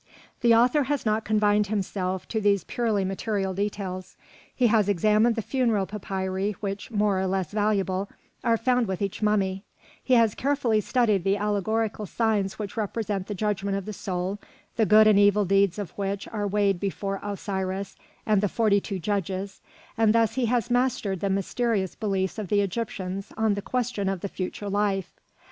The author has not confined himself to these purely material details. He has examined the funeral papyri which, more or less valuable, are found with each mummy; he has carefully studied the allegorical signs which represent the judgment of the soul, the good and evil deeds of which are weighed before Osiris and the forty two judges, and thus he has mastered the mysterious beliefs of the Egyptians on the question of the future life.